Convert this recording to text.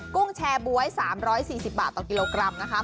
กุ้งแชร์บ๊วย๓๔๐บาทต่อกิโลกรัมนะคะ